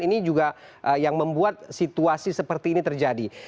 ini juga yang membuat situasi seperti ini terjadi